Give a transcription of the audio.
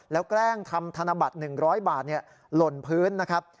แล้วแกล้งทำธนบัตร๑๐๐บาทหล่นพื้นนะครับ